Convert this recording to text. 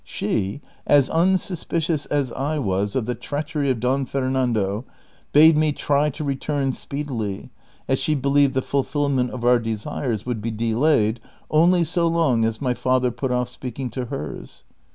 She, as unsuspicious as I was of the treachery of Don Fernando, bade me try to return speedily, as slie believed the fulfilment of our desires would be delayed only so long as my father put off speaking to hers.